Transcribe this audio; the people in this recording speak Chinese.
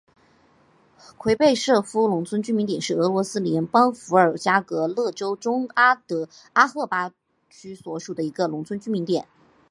奎贝舍夫农村居民点是俄罗斯联邦伏尔加格勒州中阿赫图巴区所属的一个农村居民点。